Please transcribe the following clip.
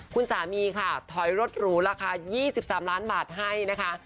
คุณสามีค่ะถอยรถหรูราคา๒๓ล้านบาทให้นะคะ